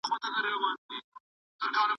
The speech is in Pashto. ليکنه بايد د خبرو مرسته وکړي.